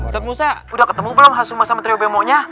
ustad musa udah ketemu belum hasuma sama trio bemonya